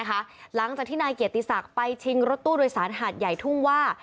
หลังจากที่นายเกียรติศักดิ์ไปชิงรถตู้โดยสารหาดใหญ่ทุ่งว่า